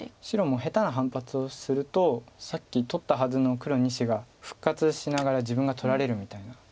白も下手な反発をするとさっき取ったはずの黒２子が復活しながら自分が取られるみたいな。